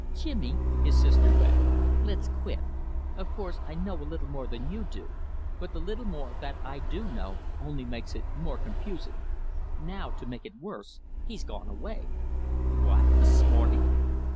"Jimmy," his sister begged, "let's quit. Of course, I know a little more than you do, but the little more that I do know only makes it more confusing. Now, to make it worse, he's gone away." "What, this morning?"